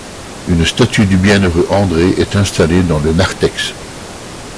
Une statue du bienheureux André est installée dans le narthex.